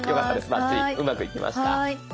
バッチリうまくいきました。